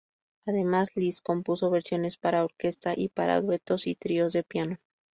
Además, Liszt compuso versiones para orquesta y para duetos y tríos de piano.